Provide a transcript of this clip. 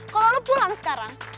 kalau lo pulang sekarang